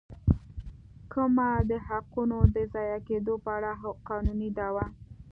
کمه د حقونو د ضایع کېدو په اړه قانوني دعوه.